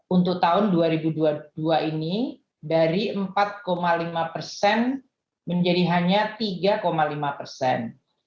untuk tahun dua ribu dua puluh dua ini dari empat lima persen menjadi hanya tiga lima persen